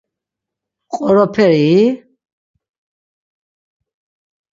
Qoroperii?